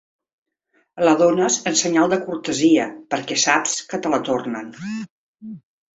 La dónes en senyal de cortesia perquè saps que te la tornen.